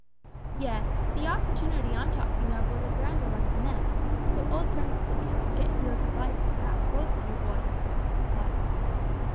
"Yes, the opportunity I'm talking of was a grander one than them, though old Principle can't forget he owes his life perhaps to both of you boys' thought of him.